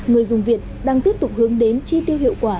người dùng việt đang tiếp tục hướng đến chi tiêu hiệu quả